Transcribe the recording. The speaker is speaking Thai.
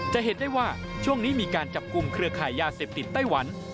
จะเห็นได้ว่าช่วงนี้มีการจับกลุ่มเครือขายยาเสพติดไต้หวัน